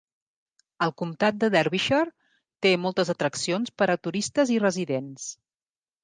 El comtat de Derbyshire té moltes atraccions per a turistes i residents.